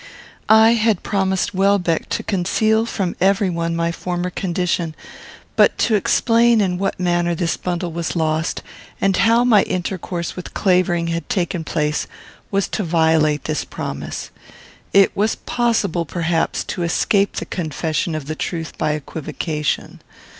I had promised Welbeck to conceal from every one my former condition; but to explain in what manner this bundle was lost, and how my intercourse with Clavering had taken place, was to violate this promise. It was possible, perhaps, to escape the confession of the truth by equivocation.